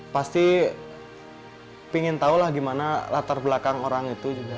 pasti ingin tahu lah gimana latar belakang orang itu juga